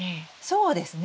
そうですね。